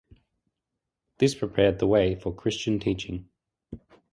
This prepared the way for Christian teaching.